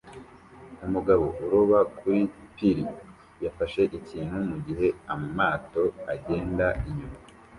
Umugabo uroba kuri pir yafashe ikintu mugihe amato agenda inyuma